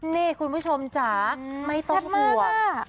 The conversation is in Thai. นี่คุณผู้ชมจ๋าไม่ต้องห่วง